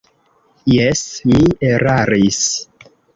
Jes, mi eraris.